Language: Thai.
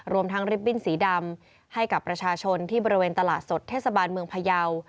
รวมทั้งริบบิ้นสีดำให้กับประชาชนที่บริเวณตลาดสดเทศบาลเมืองพยาว